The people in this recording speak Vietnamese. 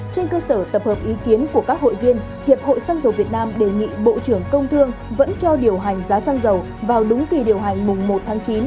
trên cơ sở tập hợp ý kiến của các hội viên hiệp hội xăng dầu việt nam đề nghị bộ trưởng công thương vẫn cho điều hành giá xăng dầu vào đúng kỳ điều hành mùng một tháng chín